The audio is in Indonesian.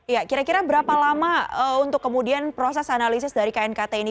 ya kira kira berapa lama untuk kemudian proses analisis dari knkt ini